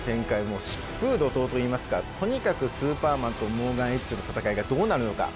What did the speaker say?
もう疾風怒とうといいますかとにかくスーパーマンとモーガン・エッジの戦いがどうなるのか？